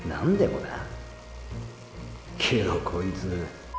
けどこいつ。